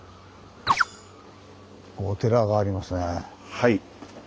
はい。